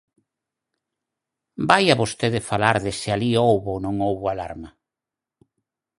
Vaia vostede falar de se alí houbo ou non houbo alarma.